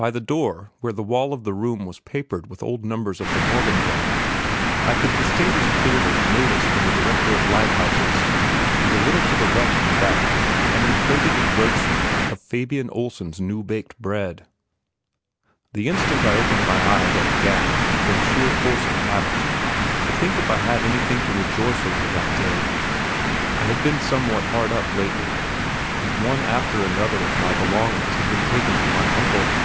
By the door where the wall of the room was papered with old numbers of the Morgenbladet, I could distinguish clearly a notice from the Director of Lighthouses, and a little to the left of that an inflated advertisement of Fabian Olsens' new baked bread. The instant I opened my eyes I began, from sheer force of habit, to think if I had anything to rejoice over that day. I had been somewhat hard up lately, and one after the other of my belongings had been taken to my "Uncle."